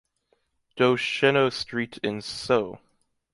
des Chéneaux Street in Sceaux